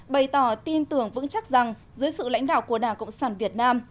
bày tỏ tin tưởng vững chắc rằng dưới sự lãnh đạo của đảng cộng sản việt nam